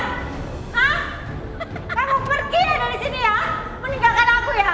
kamu pergi dari sini ya